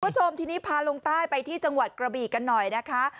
คุณผู้ชมทีนี้พาลงใต้ไปที่จังหวัดกระบีกันหน่อยนะคะ